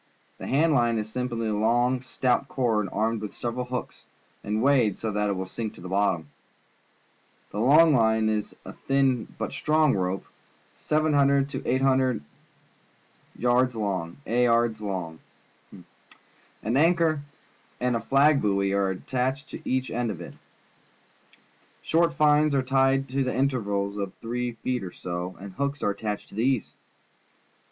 The hand line is simply a long, stout cord, armed with several hooks, and weighted so that it will sink to the bottom. The long line is a thin but strong rope, 700 to 800 A ards long. An anchor and a flag buoy are attached to each end of it. Short fines are tied to it at intervals of three feet or so, and hooks are attached to these.